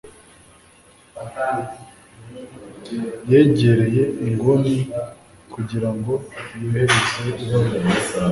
yegereye inguni kugirango yohereze ibaruwa.